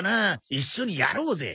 一緒にやろうぜ。